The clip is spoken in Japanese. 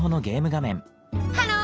ハロー！